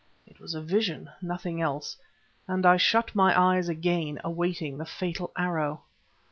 It was a vision, nothing else, and I shut my eyes again awaiting the fatal arrow.